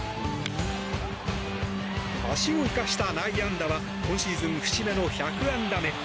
足を生かした内野安打は今シーズン節目の１００安打目。